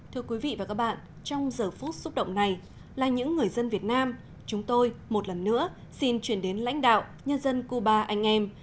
thưa quý vị và các bạn trong giờ phút xúc động này là những người dân việt nam chúng tôi một lần nữa xin chuyển đến lãnh đạo nhân dân cuba anh em